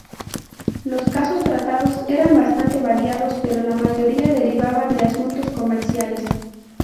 Los casos tratados eran bastante variados, pero la mayoría derivaban de asuntos comerciales.